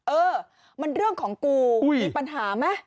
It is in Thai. เออมันเรื่องของกูมีปัญหาไหม